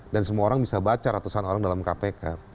dan semua orang bisa baca ratusan orang dalam kpk